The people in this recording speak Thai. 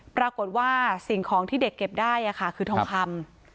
ปรากฏว่าสิ่งของที่เด็กเก็บได้ค่ะคือทองคำ